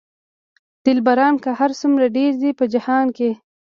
دلبران که هر څو ډېر دي په جهان کې.